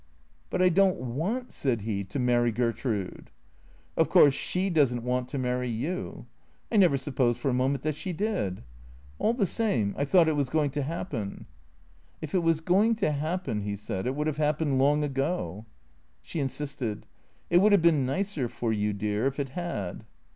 " But I don't want/' said he, " to marry Gertrude." " Of course, she does n't want to marry you." " I never supposed for a moment that she did." " All the same, I thought it was going to happen." " If it was going to happen," he said, " it would have hap pened long ago." She insisted. " It would have been nicer for you, dear, if it had."